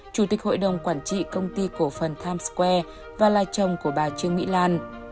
chủ tịch hội đồng quản trị công ty cổ phần times square và là chồng của bà trương mỹ lan